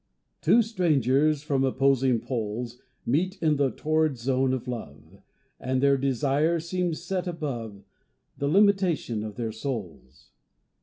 TWO strangers, from opposing poles, Meet in the torrid zone of Love: And their desire seems set above The limitation of their souls.